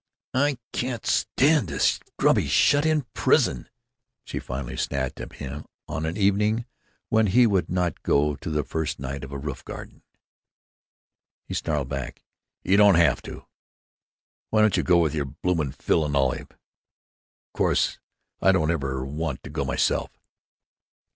"I can't stand this grubby, shut in prison," she finally snapped at him, on an evening when he would not go to the first night of a roof garden. He snarled back: "You don't have to! Why don't you go with your bloomin' Phil and Olive? Of course, I don't ever want to go myself!"